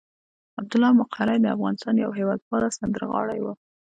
عبدالله مقری د افغانستان یو هېواد پاله سندرغاړی وو.